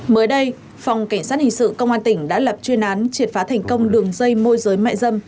mới đây phòng cảnh sát hình sự công an tỉnh đã lập chuyên án triệt phá thành công đường dây môi giới mại dâm